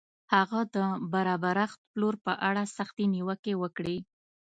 هغه د برابرښت پلور په اړه سختې نیوکې وکړې.